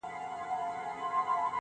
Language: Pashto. ورسره په دغه لښکر جوړونه کې